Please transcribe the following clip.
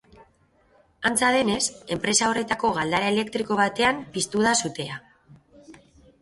Antza denez, enpresa horretako galdara elektriko batean piztu da sutea.